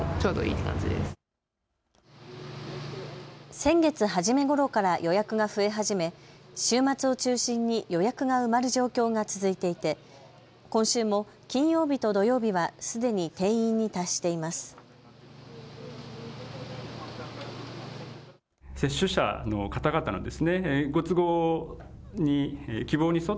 先月初めごろから予約が増え始め、週末を中心に予約が埋まる状況が続いていて今週も金曜日と土曜日はすでに定員に達しています。